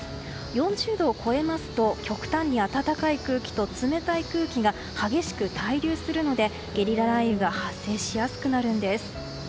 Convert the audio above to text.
４０度を超えますと極端に暖かい空気と冷たい空気が激しく滞留するのでゲリラ雷雨が発生しやすくなるんです。